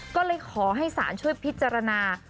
ก็เลยขอให้ศาลช่วยพิจารณา